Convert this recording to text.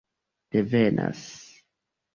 devenas